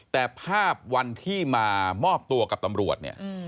แต่ภาพวันที่มามอบตัวกับตำรวจเนี่ย